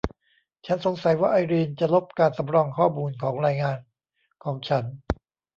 ฉันสงสัยว่าไอรีนจะลบการสำรองข้อมูลของรายงานของฉัน